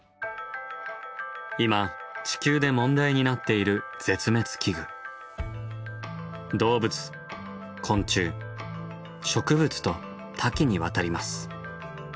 今地球で問題になっている絶滅危惧。と多岐にわたります。